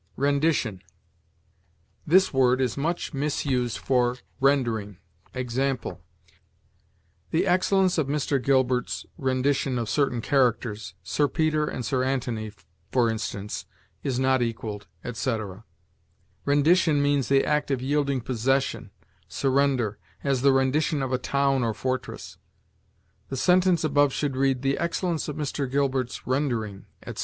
RENDITION. This word is much misused for rendering. Example: "The excellence of Mr. Gilbert's rendition of certain characters, Sir Peter and Sir Antony, for instance, is not equaled," etc. Rendition means the act of yielding possession, surrender, as the rendition of a town or fortress. The sentence above should read, "The excellence of Mr. Gilbert's rendering," etc.